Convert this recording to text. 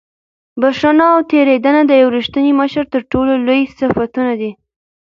بښنه او تېرېدنه د یو رښتیني مشر تر ټولو لوی صفتونه دي.